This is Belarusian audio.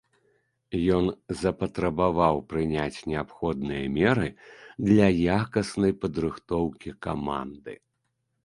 Ён запатрабаваў прыняць неабходныя меры для якаснай падрыхтоўкі каманды.